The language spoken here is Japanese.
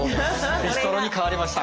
ビストロに変わりました。